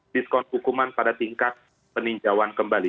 diskon hukuman pada tingkat peninjauan kembali